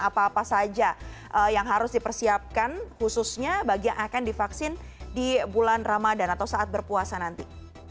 apa apa saja yang harus dipersiapkan khususnya bagi yang akan divaksin di bulan ramadan atau saat berpuasa nanti